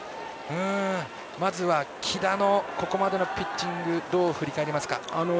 まずは、木田のここまでのピッチングどう振り返りますか。